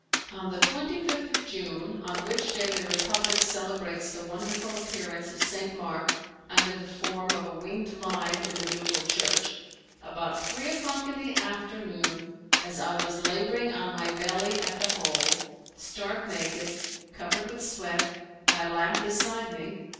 On the 25th of June, on which day the Republic celebrates the wonderful appearance of St. Mark under the form of a winged lion in the ducal church, about three o'clock in the afternoon, as I was labouring on my belly at the hole, stark naked, covered with sweat, my lamp beside me.